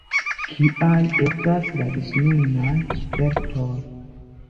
Kiaj estas la ĝisnunaj spertoj?